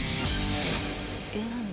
えっ何？